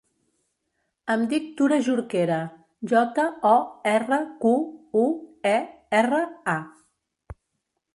Em dic Tura Jorquera: jota, o, erra, cu, u, e, erra, a.